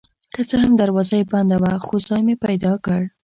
که څه هم دروازه یې بنده وه خو ځای مې پیدا کړ.